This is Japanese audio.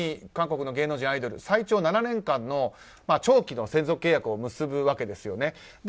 韓国では不当な契約を防ぐために韓国の芸能人、アイドル最長７年間の長期の専属契約を結ぶわけですよね。